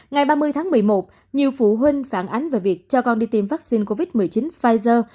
ngày ba mươi tháng một mươi một nhiều phụ huynh phản ánh về việc cho con đi tiêm vaccine covid một mươi chín pfizer